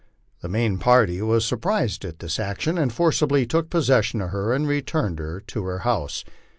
The main party was surprised at this ac tion, and forcibly took possession of her, and returned her to her house.